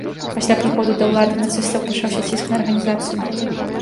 Пасля прыходу да ўлады нацыстаў пачаўся ціск на арганізацыю.